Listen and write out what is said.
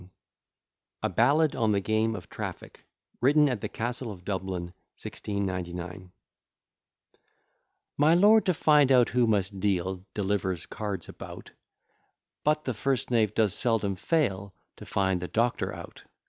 ] A BALLAD ON THE GAME OF TRAFFIC WRITTEN AT THE CASTLE OF DUBLIN, 1699 My Lord, to find out who must deal, Delivers cards about, But the first knave does seldom fail To find the doctor out.